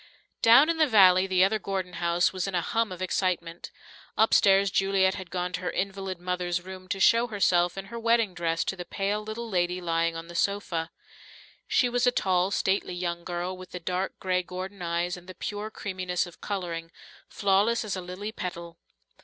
Down in the valley, the other Gordon house was in a hum of excitement. Upstairs Juliet had gone to her invalid mother's room to show herself in her wedding dress to the pale little lady lying on the sofa. She was a tall, stately young girl with the dark grey Gordon eyes and the pure creaminess of colouring, flawless as a lily petal.